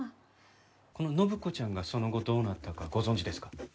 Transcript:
この展子ちゃんがその後どうなったかご存じですか？